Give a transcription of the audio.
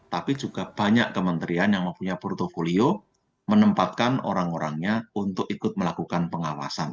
tapi juga banyak kementerian yang mempunyai portfolio menempatkan orang orangnya untuk ikut melakukan pengawasan